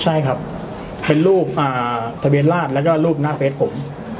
ใช่ครับเป็นรูปทะเบียนราชแล้วก็รูปหน้าเฟสผม